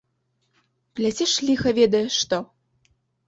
Пляцеш ліха ведае што.